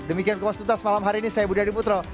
demikian kumpas tutas malam hari ini saya budi adi putro